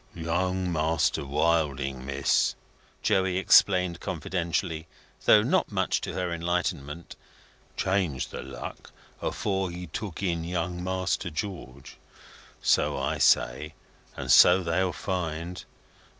"Young Master Wilding, Miss," Joey explained confidentially, though not much to her enlightenment, "changed the luck, afore he took in young Master George. So I say, and so they'll find.